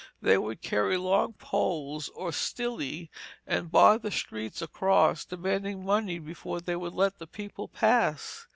They would carry long poles, or 'stili,' and bar the streets across, demanding money before they would let the people pass.